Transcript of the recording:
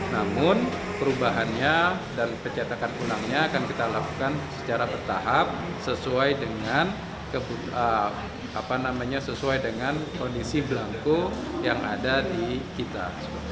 namun perubahannya dan pencetakan ulangnya akan kita lakukan secara bertahap sesuai dengan sesuai dengan kondisi belangko yang ada di kita